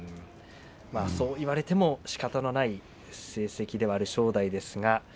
そう言われてもしかたのない成績の正代ですが。